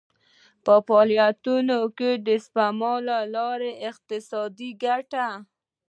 په فعالیتونو کې د سپما له لارې اقتصادي ګټه.